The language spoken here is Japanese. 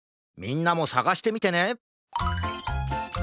みんなもさがしてみてね！